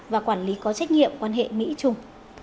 và quản lý có trách nhiệm quan hệ mỹ trung